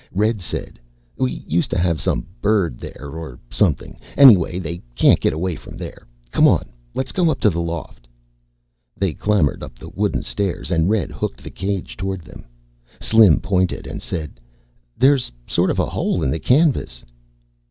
Red said, "We used to have some bird there or something. Anyway, they can't get away from there. Come on, let's go up to the loft." They clambered up the wooden stairs and Red hooked the cage toward them. Slim pointed and said, "There's sort of a hole in the canvas."